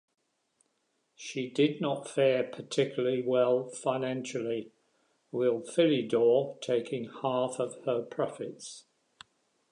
She did not fare particularly well financially, with Philidor taking half of her profits.